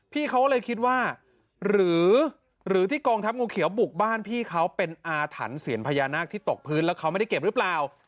พี่เขาเลยคิดว่าหรือที่กองทัพงูเขียวบุกบ้านพี่เขาเป็นอาถรรพ์เสียญพญานาคที่ตกพื้นแล้วเขาไม่ได้เก็บหรือเปล่า